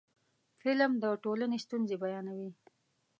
فلم د ټولنې ستونزې بیانوي